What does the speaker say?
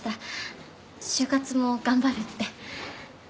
就活も頑張るって。